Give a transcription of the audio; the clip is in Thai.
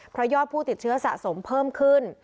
เพราะยอดผู้ติดเชื้อสะสมเพิ่มขึ้น